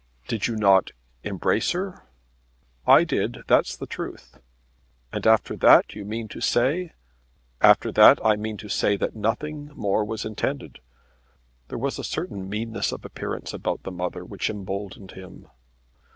"Did you not embrace her?" "I did. That's the truth." "And after that you mean to say " "After that I mean to say that nothing more was intended." There was a certain meanness of appearance about the mother which emboldened him.